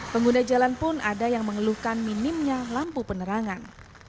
pengguna jalan pun ada yang mengeluhkan minimnya lampu penerangan